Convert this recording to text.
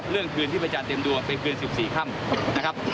เรื่องคืนที่ประจานเต็มดวงเป็นคืน๑๔ค่ำนะครับ